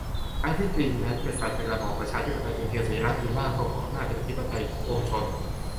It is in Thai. ทั้งที่จริงนั้นกษัตริย์ในระบอบประชาธิปไตยเป็นเพียงสัญลักษณ์หรือ "ร่างทรง" ของอำนาจอธิปไตยของปวงชน